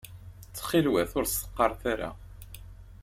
Ttxil-wet ur s-qqaṛet ara.